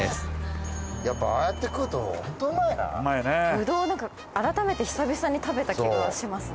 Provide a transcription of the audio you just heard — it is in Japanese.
ぶどうなんか改めて久々に食べた気はしますね。